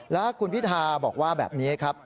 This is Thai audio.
แล้วคุณพิธาบอกว่าแบบนี้ครับ